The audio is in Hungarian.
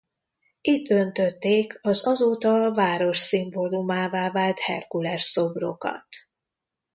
Itt öntötték az azóta a város szimbólumává vált Herkules szobrokat.